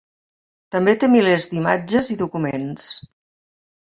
També té milers d'imatges i documents.